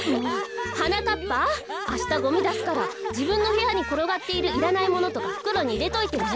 はなかっぱあしたゴミだすからじぶんのへやにころがっているいらないものとかふくろにいれといてね。